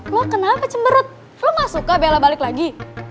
lo kenapa cemberut lo gak suka bela balik lagi